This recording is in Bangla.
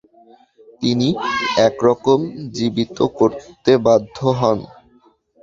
তিনি একরকম জীবিত করতে বাধ্য হন।